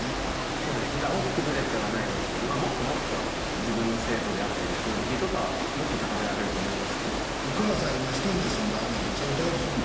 そうですねだから大きくぶれてはないですけどもっともっと自分の精度であったりクオリティーとかはもっと高められると思いますけどお母さん今１人で住んではんねんでそれどうすんの？